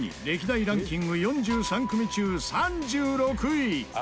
歴代ランキング４３組中３６位。